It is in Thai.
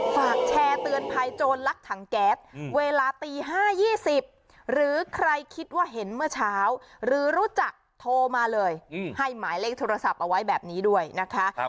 ฝากแชร์เตือนภัยโจรลักถังแก๊สเวลาตี๕๒๐หรือใครคิดว่าเห็นเมื่อเช้าหรือรู้จักโทรมาเลยให้หมายเลขโทรศัพท์เอาไว้แบบนี้ด้วยนะคะ